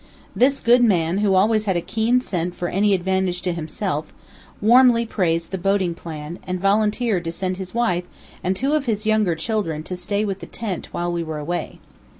This good man, who always had a keen scent for any advantage to himself, warmly praised the boating plan, and volunteered to send his wife and two of his younger children to stay with the tent while we were away.